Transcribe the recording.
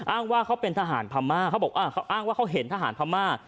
อ้างว่าเขาเป็นทหารพม่าเขาบอกเขาอ้างว่าเขาเห็นทหารพม่า